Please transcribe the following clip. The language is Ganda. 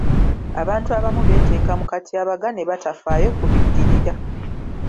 Abantu abamu beeteeka mu katyabaga ne batafaayo ku biddirira.